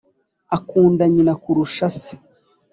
• akunda nyina kurusha se.